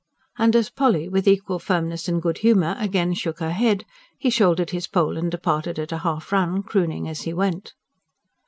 And as Polly, with equal firmness and good humour, again shook her head, he shouldered his pole and departed at a half run, crooning as he went.